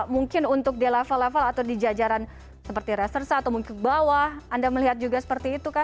mungkin untuk di level level atau di jajaran seperti reserse atau mungkin ke bawah anda melihat juga seperti itu kah